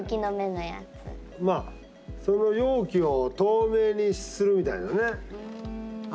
まあその容器を透明にするみたいなね。